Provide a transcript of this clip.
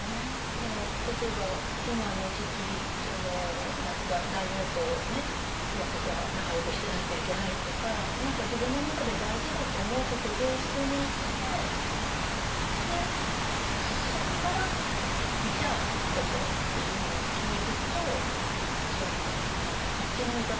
だから例えば今の時期何て言うか大名とね幕府が仲よくしてなきゃいけないとか何か自分の中で大事だと思うことをベースにしてでそこからじゃあここっていうのを決めるとあっちの味方